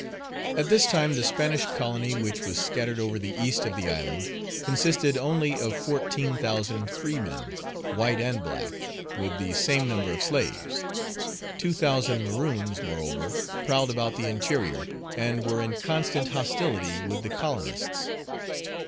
At this time the Spanish colony, which was scattered over the east of the island, consisted only of fourteen thousand free men, white and black, with the same number of slaves; two thousand maroons, moreover, prowled about the interior, and were in constant hostility with the colonists.